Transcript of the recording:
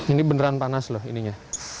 ini beneran panas loh ininya